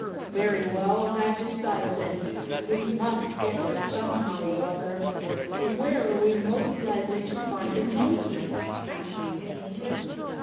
"Very well, that decides it; we must get it somehow or other. But where are we most likely to find a monkey?" asked the King.